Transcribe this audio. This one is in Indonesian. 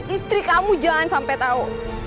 istri kamu jangan sampai tahu